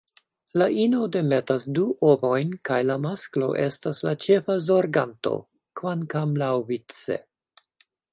La ino demetas du ovojn kaj la masklo estas la ĉefa zorganto, kvankam laŭvice.